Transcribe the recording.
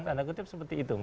tanda kutip seperti itu